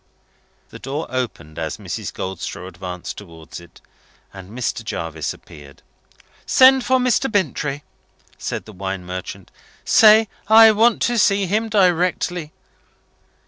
The door opened as Mrs. Goldstraw advanced towards it; and Mr. Jarvis appeared. "Send for Mr. Bintrey," said the wine merchant. "Say I want to see him directly."